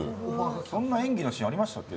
そんな演技のシーンありましたっけ。